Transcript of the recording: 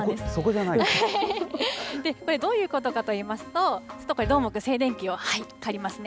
これ、どういうことかといいますと、ちょっとこれ、どーもくん、静電気を借りますね。